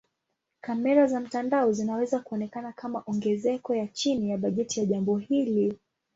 Kamera za mtandao zinaweza kuonekana kama ongezeko ya chini ya bajeti ya jambo hili.